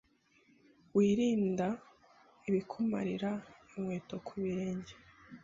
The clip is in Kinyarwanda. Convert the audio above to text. Wirinda ibikumarira inkweto ku birenge,